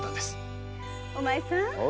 お前さん